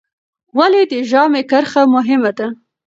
ولې د ژامې کرښه مهمه ده؟